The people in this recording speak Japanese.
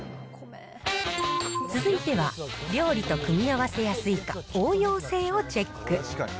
続いては、料理と組み合わせやすいか、応用性をチェック。